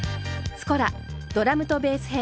「スコラドラムとベース編」